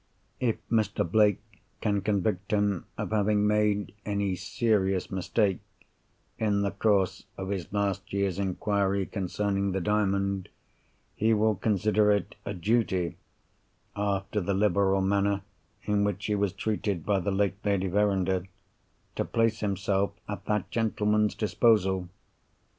If Mr. Blake can convict him of having made any serious mistake, in the course of his last year's inquiry concerning the Diamond, he will consider it a duty (after the liberal manner in which he was treated by the late Lady Verinder) to place himself at that gentleman's disposal.